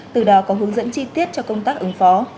từ đó có hướng dẫn chi tiết cho công tác ứng phó